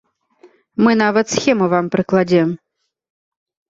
Мы нават схему вам прыкладзем.